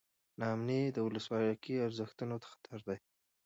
نا امني د ولسواکۍ ارزښتونو ته خطر دی.